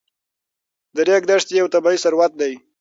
د ریګ دښتې یو طبعي ثروت دی.